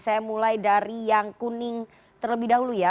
saya mulai dari yang kuning terlebih dahulu ya